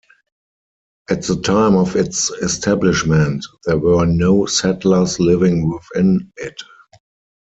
At the time of its establishment, there were no settlers living within it.